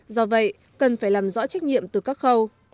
do vậy cần phải làm rõ trách nhiệm từ các khâu